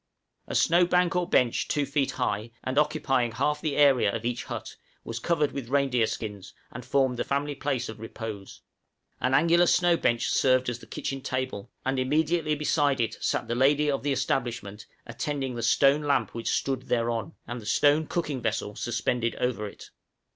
A snow bank or bench two feet high, and occupying half the area of each hut, was covered with reindeer skins, and formed the family place of repose. An angular snow bench served as the kitchen table, and immediately beside it sat the lady of the establishment attending the stone lamp which stood thereon, and the stone cooking vessel suspended over it.